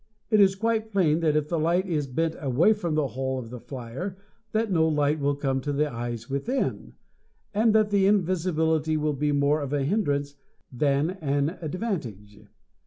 It is quite plain that if the light is bent away from the hull of the flyer that no light will come to the eyes within, and that the invisibility will be more of a hindrance than an advantage.